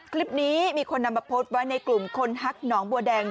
คลิปนี้มีคนนำมาโพสต์ไว้ในกลุ่มคนฮักหนองบัวแดง